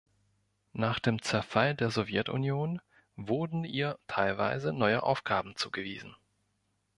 Nach dem Zerfall der Sowjetunion wurden ihr teilweise neue Aufgaben zugewiesen.